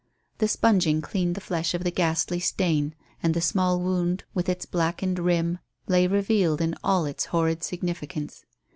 The sponging cleaned the flesh of the ghastly stain, and the small wound with its blackened rim lay revealed in all its horrid significance.